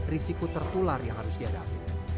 risiko tertular yang harus dihadapi